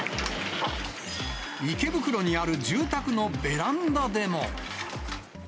池袋にある住宅のベランダでも。